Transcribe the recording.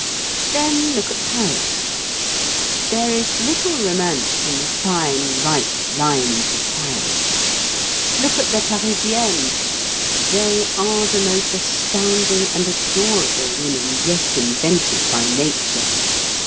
Then look at Paris; there is little romance in the fine right lines of Paris. Look at the Parisiennes. They are the most astounding and adorable women yet invented by nature.